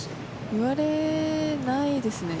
言われないですね。